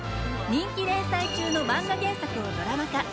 人気連載中のマンガ原作をドラマ化。